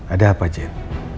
ada apa jen